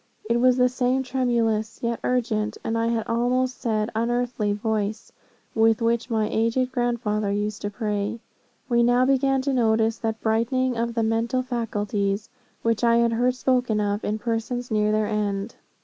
It was the same tremulous, yet urgent, and I had almost said, unearthly voice, with which my aged grandfather used to pray. We now began to notice that brightening of the mental faculties, which I had heard spoken of, in persons near their end.